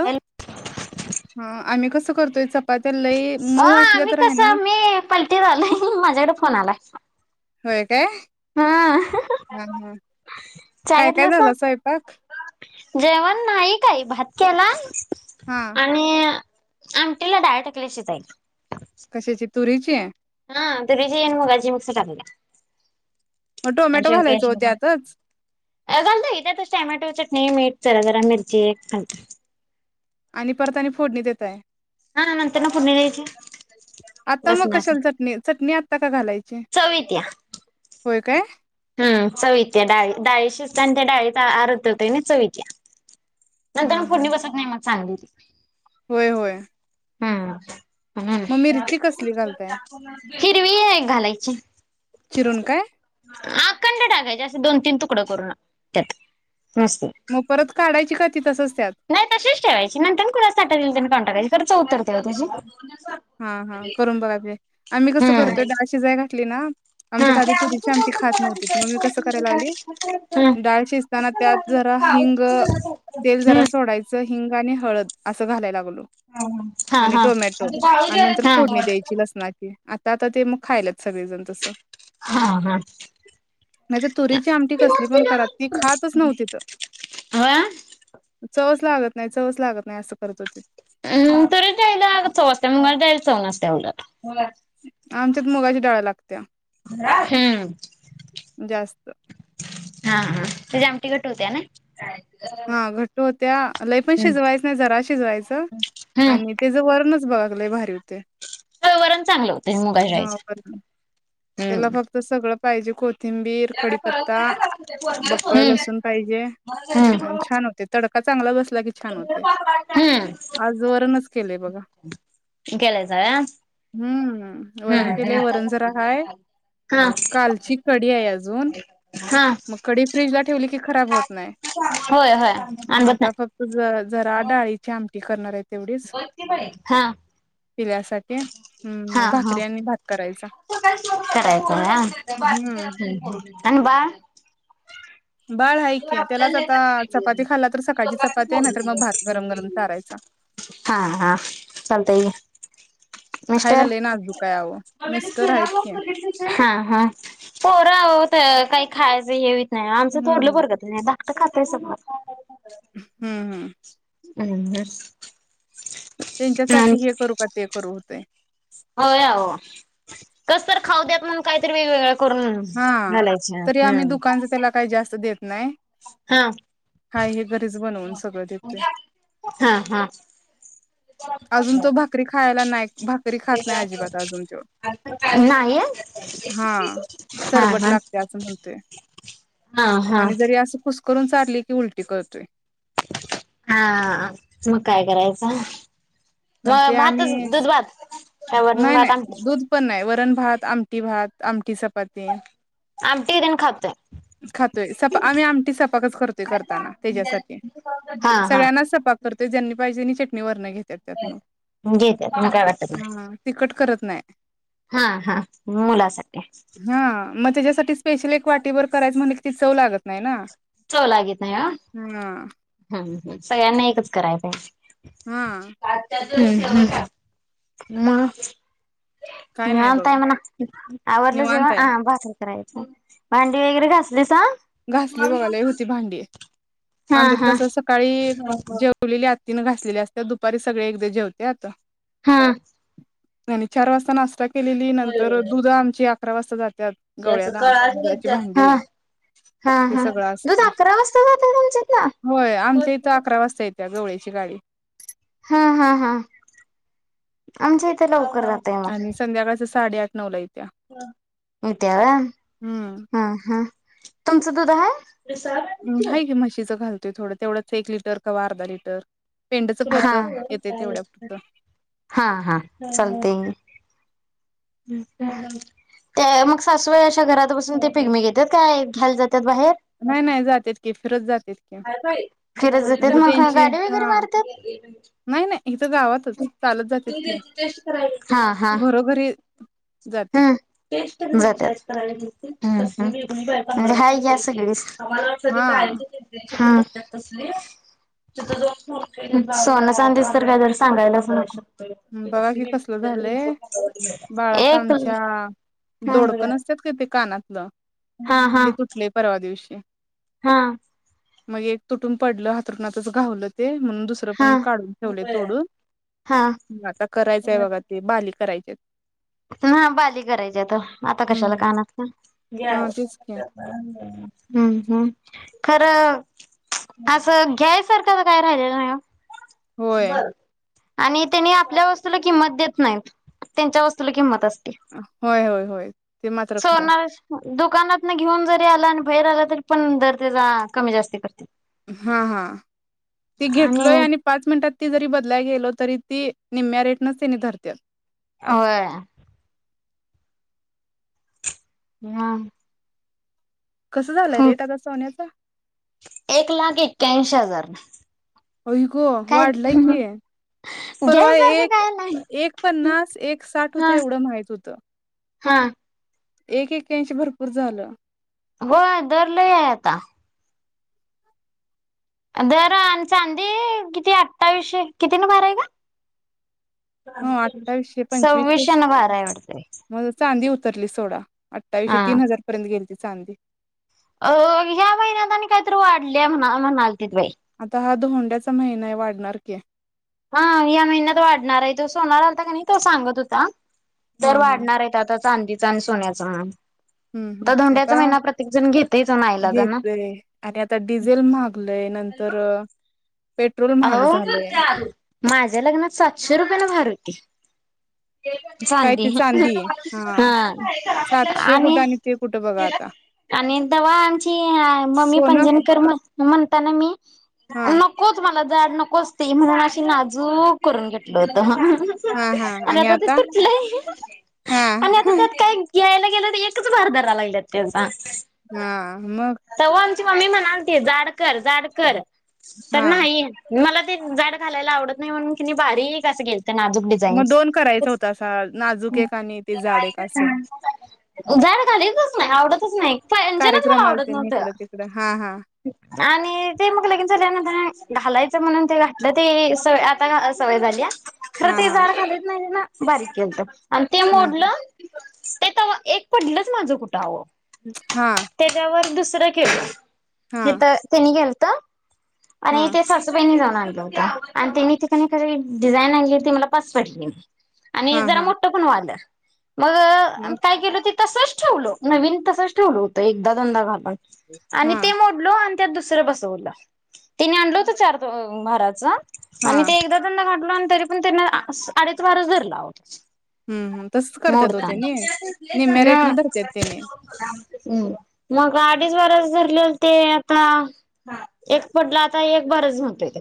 अ hello हां आम्ही कसं करतोय चपात्या, लई अ मऊ असल्या आम्ही तर आहे ना, कसं मी पलटीत आलोय फोन आलाय. होय. काय हां हा हा [inaudible] चहा काय काय घेतलासा? झाला स्वयंपाक जेवण नाही काही भात. केला. हा [unintelligible] आणि अ आमटीला डाळ टाकल्या शिजायला. कशाची? तुरीची? हां तुरीची आणि मुगाची मिक्स टाकल्या. मग टोमॅटो घालायचं ओ त्यातच. अ घालतो की त्यातच टॉमॅटो, चटणी, मीठ जरा -जरा मिर्ची एक घालतोय. आणि परत आणि फोडणी देताय. हां नंतरन फोडणी द्यायची. आत्ता मग लसणाची कशाला चटणी? चटणी आ घालायची चव येत्या होय. काय? हम्म चव इत्या डाळी डाळी शिजताना त्या डाळीत अर्त [unintelligible] चव इत्या नंतर हा मग हा फोडणी बसत नाही मग. चांगली येती. होय होय हम्म [inaudible] मग हम्म मिरची कसली घालताय [inaudible] हिरवी एक घालायची. चिरून काय? अकंड टाकायचे अस दोन -तीन तुकड करून त्यात. मस्त मग परत काढायची का ती? तसंच. नाही तशीच ठेवायची नंतर [unintelligible] काढून टाकायची तर चव उतरत्या ओ त्याजी. हा हा करून बघा ते. आम्ही कसं हम्म करतोय डाळ शीजाय घातली ना हा आमच्यात आधी तुरीची आमठी खात हम्म नव्हतीत मग मी कसं करायला लागली, डाळ शिजताना त्यात जरा हिंग, तेल जरा हम्म सोडायचं हिंग आणि हळद असं घालायला लागलो. हा आणि हा! टोमॅटो आणि नंतर हा फोडणी द्यायची लसणाची. आत्ता आत्ता ते मग खायल्यात. सगळेजण तसं. हा हा नाही तर तुरीची आमटी कसली पण करा ती खातच नव्हतीत. व्हय चवच लागत नाही, चवच लागत नाही असं करत होतीत. हम् तुरीच्या डाळीला चव असत्या, मुगाच्या डाळीला चव नसत्या उलट. बोला. आमच्यात मुगाची डाळ लाग हम्! जास्त हा हा. त्याची आमटी घट्ट होत्याना? हा घट्टू होत्या. लय पण शिजवायचं नाही जरा शिजवायचं हम्म आणि त्याज वरणचं घा लय भारी होतय. वरण चांगलं होतंय मुगाच्या हा डाळीच वरण त्याला फक्त सगळं पाहिजे कोथिंबीर, त्याला कळत कडीपत्ता, नाही ना ते पोरग्याला बक्कळ सोडून द्यायचं. लसूण पाहिजे आणि छान होते तड चांगला बस ते छान होतय. आज वरणच केले बघा केला यसा व्हय? हम्म वरण केलय. हम्म वरण जरा हाय हा. कालची कडी हाय अजून, हा. मग कडी फि्जला ठेवली खराब होत नाही. होय होय म आणबत आता नाही फक्त ज जरा डाळीची आम ते करणारेत हा. पिल्यासाठी ह हू! म भाकरी अनी भात करायचा. [unintelligible] करायचा आ हम्म हं! अनबा [unintelligible] बाळ आहे की त्यालाच आता चपाती खाल्ला तर सकाळची चपाती आहे ना तर मग भात गरम गरम चारायचा हां-हां चालतंय ग्या खायला मिस्टर लय नाजूक आहे अहो मिस्टर आहेत की [unintelligible] हा-हां, पोरं आओ तर काही खायचं हे. नाही, आमचं हम्म थोरलं बर फक्त खातय संग. हम्म हम्म. [unintelligible] तेंच्यासाठी हे करू का ते करू होतंय. होय आवो. कस तर खाऊ द्यात म्हणूण काहीतरी वेगवेगळ हां, तरी आम्ही दुकानच त्याला काही जास्त देत नाई हां, बनवून सगळं देतोय हां-हां आजून तो भाकरी खायला नाई. नाही आं, हा सरबट हां-हां, लागते असं म्हणतोय हां-हां करून चारली की उलटी करतोय. हां मग काय करायचं. म ते भातच आम्ही दुध भात. काय वरण नाही भात नाही आमटी दूध पण नाही वरण भात आमटी भात आमटी सप पते, आमटी तेन खातोय. खातोय सपा आमी आमटी सपाक करतोय करताना तेज्यासाठी हा हा. सगळ्यांना सपाक कर ते ज्यांनी पहिजे नी चटणी वरनं घेत गेत्यात म काय वाटत नाही. तिकट करत नाही. हा हा मुलासाठी हं म तेज्यासाट स्पेशल एक वाटीभर करायचं म्हणलं की ती चव लागत नाही ना. चव लागेत नाही हां, हा हं-हं सगळ्यांना एकच कराय [inaudible] हां अम्-हम् म काय नाही निवांत बघा आय म्हणा. आवरलं जेंवा निवांत आहे. आं भाकरी. करायचं, भांडी वगैरे घासलीस हां- घासली बगा लय होत् ती भांडी. हा आमच्यात हा कसं सकाळी जेवलेल्या तिनं घासलेली असत्यात दुपारी सगळे एकदा जेवत्यात हां! आणि चार वाजता नाष्टा- केलेली नंतर दुध आमची आ प्रवास [inaudible] तर गवळ्याला दुधाची भांडी हां ते हां! सगळं दूध असतंय अकरा वाजता जातय तुमच्यातन? त्या गवळ्याची गाडी हां हां हां आमच्या इथं लोव करं आहे आणि मग- संध्याकाळचं साडेआठ नऊला येई इत्या व्हय? हम्म ह्म्म हम्म! तुमचं दुध हाय? ह्म्म हाय की म्हशीचं घाल ते थोडं तेवढंच एक लिटर कवा अर्धा लिटर पेंडचं पोत हां येते तेवढ्या पुरतं हां हां! चालतंय. त्या मग सासूवाई अशा घरात बसून ते पिगमी घेतात काय घ्यायला जात- नाय नाय जातेत की, फिरत जातेत. की. फिरत जात्यात म्हणजे मग काय त्यांची गाडी वगैरे हा मारत्यात? नाही नाही इथं गावातच चालत जातेत की हां हां! घरोघरी जातात ह्म्म जात्यात. हम्म ह्म्म हाय घ्या सगळीच हा हा. सोनं चांदीच तर काय दर सांगायलाच नाय बघा की कसलं एक अच्छा दोडकं हा नसत्यात का ते कानातलं हा हा ते तुटलय परवा- दिवशी. हा! मग एक तुटून पडलं, हातरुणातचं घावलं ते म्हणून दुसर पण हा काढून ठेवलंय हा तोडून आता करायचय बघा ते बाली कराय तेत हा बाली करायच्या. आता कशाला हम्म कानातलं? हा तेच की हम्म हम् खर अस घ्यायसारख काय राहिलेल नयी ओ होय. आणि त्यांनी आपल्या वस्तूला किंमत देत नायत त्यांच्या वस्त तुल कीमत अस होय होय होय ते मात्र खरं सोन दुकानात ना घेऊन जरी आला बाहेर आला तरी पण दर त्याचा कमी जास्त करते हा हा ती घेतलोय आणि पाच मिनटात ती जरी बदलायला गेलो तरी ती निम्म्या रेटनच त्यांनी धरत्यात होय म कस झालय रेट आता सोन्याचा? एक लाक एक्यांशी हजार होई गो काय वाढलाय की परवा घ्यायसारखं एक काय नाही एक पन्नास एक साठ हा होते एवढं माहित होत. हा एक एक्क्याऐशी भरपूर झालं. हो दर लय ये आता दर चांदी किती अठठावीशे किती न भारय ग? ह अठ्ठावीसशे पंचवीसशे सविष्शे न भार आहे वाटतेय. तरली सोडा अठ्ठवीशी तीन हजार पर्यत गेलती चांदी अ ह्या महिन्यात आणि काहीतरी वाढले म्हण म्हणाल आता धोंड्याचा महिना वाढणार की हा या महिन्यात वाढणार आहे तो सोणार आलता का नाही तो सांगत होता. दर हा हा वाढणार आयेत आता चांदी आणि सोन्याचं म्हण हम्म हम् आता घेतयच ओ नाईलाजान. घेतय आणि आता डिझेल माहगलय नंतर अ आहो माझ्या लग्नात सातशे रुपयाला भार होती. काय चांदी ते चांदी हा सातशे कुठं आणि ते कुठं बघा आता आणि तवा आमची मम्मी सोनं पंजन कर म म्हणता ना मी हा नकोत मला जाड नको असतय म्हणून अशी नाजूक करून घेतले होतो. आणि आता ते तुटलंय हा आणि आता त्यात काय ग्या केल्यावर एकच भार धरायला लागलेत त्यांचा हा मग ची मम्मी म्हणालती जाड कर जाड कर तर हा नाही मला ते जाड घालायला आवडत नाही म्हणुन कि बारीक अस के नाजूक मग डिझाईनच दोन करायचा होता असा नाजूक एक आणि ते जाड एक असं जाड घालीतच नाही, आवडतच नाही पैंजणच मला कार्यक्रमाला आवडत ते नव्हत. इकडं तिकडं हा हा आणि ते मग लगीन झाल्यानंतर घालाय म्हणून ते घाटलं ते सवय आता घालायची सवय झालिया. खर हा ते हा जाड घालत नाही ना बारीक केलंत आणि ते हा मोडल ते तवा एक पडलच माझ कुठ आहो हा त्याच्यावर दुस र केलं. हा तिथं तेनी गेलत आणि हा ते सासूबाईनी जाऊन आणल आणि त्यांनी ते का काही डिझाईन आणली ती मला पास पडली नई आणि हा जरा हा मोठ पण व्हालं मग अन मग काय केल ते तसच ठेवल नवीन तसच ठेवल होत एकदा दोनदा घालून आणि हा ते मोडल आण त्यात दुसर बसवल त्यानी आणल होत चार दोह मोराचं. हा आणि ते एकदा दोनदा घाण तरी पण त्यांना अडीच वारच धरला आओ हम्म हम्म करत्यात हो त्यांनी निम्म्या मोडताना रेटनं धरत्यात त्यांनी. हम्म मग अडीच बारास धरलं. ते आता एक पडला आता एक बरच होतं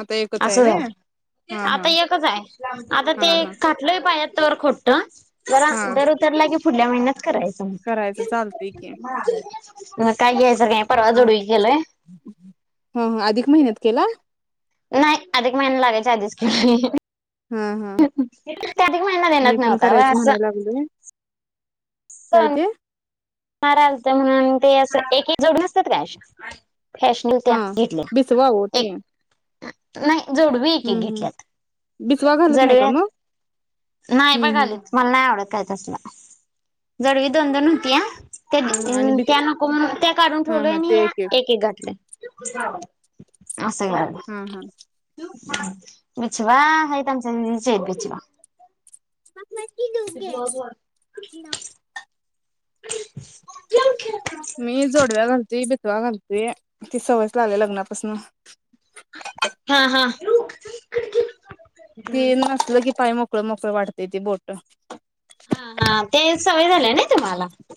आता एकच आहे असं व्हय हा हा आता एकच हाय आता हा ते हा घातलोय पायात तर खोट जरा हा दर उतरला कीव पुढल्या महिन्यात. करायचं करायचं चालतंय की म्हट--ना [unintelligible] [inaudible] काय घ्याय आ हा हा अधिक महिन्यात केला? नाही अधिक महिना लागायच्या आधीच केलोय हा हा [unintelligible] [inaudible] अधिक महिना मी ध्यानात पण नव्हता व करायचं असं. म्हणायला लागलोय काय सण ते? वार आलत म्हणून ते अस एक एक जोडून नसत्यात काय. फॅश [unintelligible] त्या हा घेतल्या बिचवा ओ ए ते नाही जोडवी एक -एक हम्म हम्म घेतल्यात. बिचवा घालत नाही का मग जडव्यात नाही हम्म हम्म बघालेत मला नाही आवडत का [unintelligible] जोडवी दोन- दोन होतीया [inaudible] त्या हा हा आणि अ बि त्या नको म्हणून त्या काढून हा ठेवलोय हा आणि ते या एक एक एक-एक घातलोय. हा हा [unintelligible] अस [unintelligible] [unintelligible] [unintelligible] [unintelligible] मी जोडव्या घालती बिच व्या घालतीय, ती सवय लागले लग्नापासन. हा हा [inaudible] [unintelligible] ते नसलं की पाय मोक मोकळ मोकळ वाटते ती बोट हा हा त्या सवय झाल्या नई.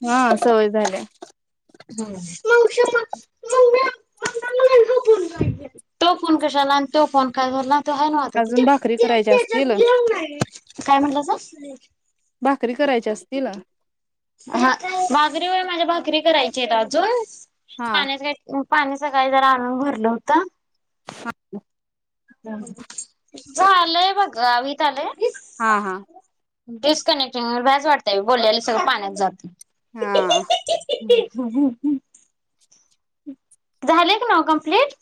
हा सवय झाल्या. ह मावशे म [unintelligible] मम्मी [unintelligible] तो फोन कशाला आण तो फोन काय झाला? तो हाय नव्हं आता ते अजून भाकरी त्या करायच्या असतील त्याच्यात गेम नाही. काय म्हण लंसा [unintelligible] भाकरी करायच्या असतील. हा भाकरी होय, माझ्या भाकरी करायच्यात अजून. हा पाण्याच्या [unintelligible] पाणी सकाळी जरा आणून भरलं होतं. हा हु ज आलंय बघ गावीत आलेत हा हा डिस्कनेक्टिंग होणार बाज वाटतेय बोलल्यायला सगळं पाण्यात जातं. हा हा हा हुं हुं झाले का नाव कंप्लीट?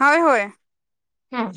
हाय होय हा